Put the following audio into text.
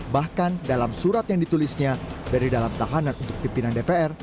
bahkan dalam surat yang ditulisnya dari dalam tahanan untuk pimpinan dpr